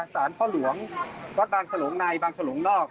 สารพ่อหลวงวัดบางฉลงในบางฉลงนอก